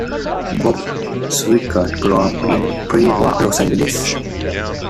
Bob Sweikert grew up in pre-war Los Angeles.